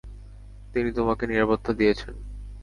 তিনি তোমাকে নিরাপত্তা দিয়েছেন।